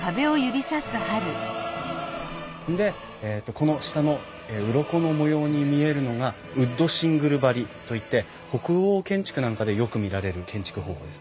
でこの下のうろこの模様に見えるのがウッドシングル張りといって北欧建築なんかでよく見られる建築方法ですね。